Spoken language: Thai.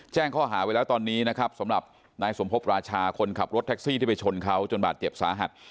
แจ้งข้อหาไว้แล้วตอนนี้นะครับสำหรับนายสมพบราชาคนขับรถแท็กซี่ที่ไปชนเขาจนบาดเจ็บสาหัส